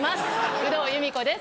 有働由美子です。